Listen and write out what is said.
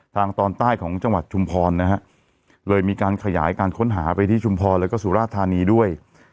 ตอนใต้ของจังหวัดชุมพรนะฮะเลยมีการขยายการค้นหาไปที่ชุมพรแล้วก็สุราธานีด้วย